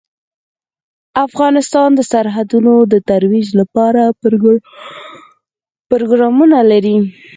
افغانستان د سرحدونه د ترویج لپاره پروګرامونه لري.